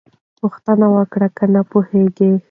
پوښتنه وکړه که نه پوهېږې.